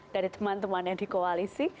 dari teman temannya di koalisi